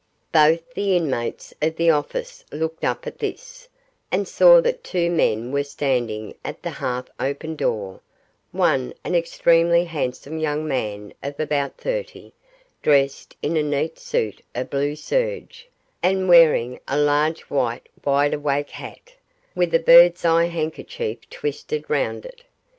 Both the inmates of the office looked up at this, and saw that two men were standing at the half open door one an extremely handsome young man of about thirty, dressed in a neat suit of blue serge, and wearing a large white wide awake hat, with a bird's eye handkerchief twisted round it.